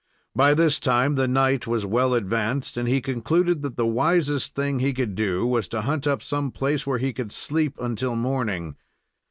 By this time the night was well advanced, and he concluded that the wisest thing he could do was to hunt up some place where he could sleep until morning.